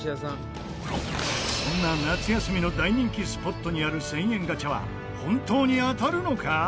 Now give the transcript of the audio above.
そんな夏休みの大人気スポットにある１０００円ガチャは本当に当たるのか？